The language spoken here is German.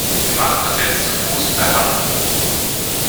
Wir machen das jetzt zu Fuß per Hand.